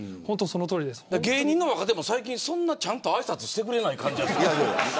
芸人の若手も最近、そんなちゃんとあいさつしてくれない感じがある。